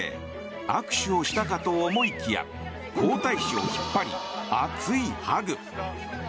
握手をしたかと思いきや皇太子を引っ張り熱いハグ。